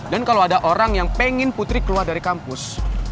dan kalau ada orang yang pengen putri keluar dari kampus